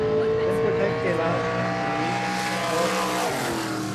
ฉันควรใช้ เคราส หรือ พอทร์ช